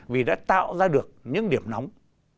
vì đã tạo ra được những điểm nóng